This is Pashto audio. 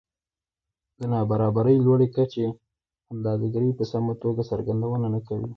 د نابرابرۍ لوړې کچې اندازه ګيرۍ په سمه توګه څرګندونه نه کوي